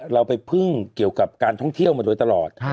เราไปพึ่งเกี่ยวกับการท่องเที่ยวมาโดยตลอด